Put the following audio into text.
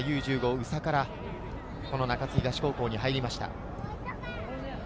宇佐から中津東高校に入りました。